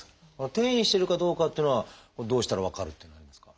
転移してるかどうかっていうのはどうしたら分かるというのはありますか？